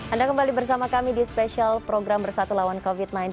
anda kembali bersama kami di spesial program bersatu lawan covid sembilan belas